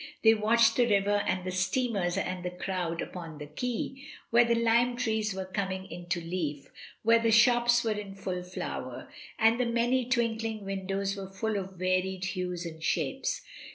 They watched the river and the steamers and the crowds upon the quai, where the lime trees were coming into leaf — where the shops were in foil flower, and the many twinkling windows were full of varied hues and shapes.